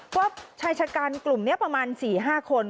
ว่าชายชะกันกลุ่มนี้ประมาณ๔๕คน